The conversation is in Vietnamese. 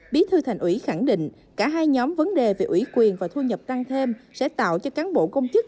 bí thư thành ủy khẳng định cả hai nhóm vấn đề về ủy quyền và thu nhập tăng thêm sẽ tạo cho cán bộ công chức